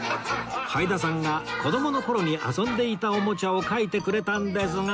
はいださんが子どもの頃に遊んでいたおもちゃを描いてくれたんですが